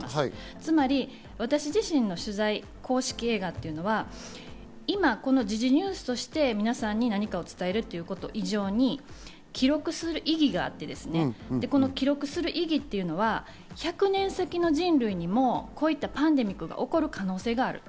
つまり私自身の取材、公式映画というのは、今、時事ニュースとして皆さんに何かを伝えるということ以上に記録する意義があって、記録する意義というのは、１００年先の人類にもこういったパンデミックが起こる可能性がある。